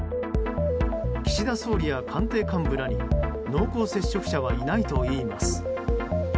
岸田総理や官邸幹部らに濃厚接触者はいないといいます。